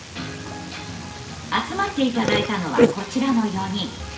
集まって頂いたのはこちらの４人。